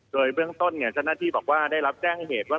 โดยเบื้องต้นเจ้าหน้าที่บอกว่าได้รับแจ้งเหตุว่า